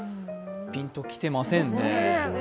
ピンときてませんね。